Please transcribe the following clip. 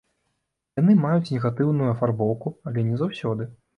Яны маюць негатыўную афарбоўку, але не заўсёды.